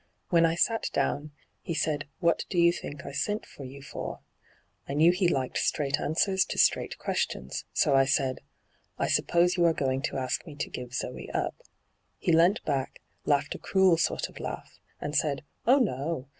When I sat down, he said :" What do you think I sent for you for ?" I knew he liked straight answers to straight questions, so I said :" I suppose you are going to ask me to give Zoe up." He leant back, laughed a cruel sort of laugh, and said :" Oh no